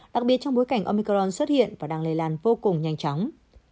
đặc biệt trong bối cảnh omicron xuất hiện và đang lây lan vô cùng nhanh chóng